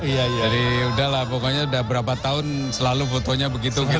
jadi udah lah pokoknya udah berapa tahun selalu fotonya begitu kita punya